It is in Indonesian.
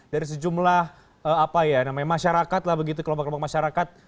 dari sejumlah apa ya namanya masyarakat lah begitu kelompok kelompok masyarakat